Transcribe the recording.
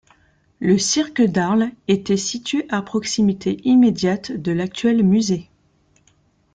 Le cirque d'Arles était situé à proximité immédiate de l'actuel musée.